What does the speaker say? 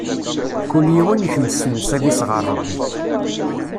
Kul yiwen ikmes nnṣib-is ɣeṛ Ṛebbi.